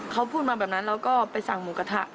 เขาพูดมาแบบนั้นแล้วก็ไปสั่งหมูกระทะ